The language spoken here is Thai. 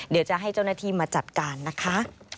เดี๋ยวจะให้เจ้าหน้าที่มาจัดการนะคะ